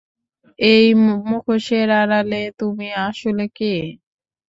এই মুখোশের আড়ালে তুমি আসলে কে?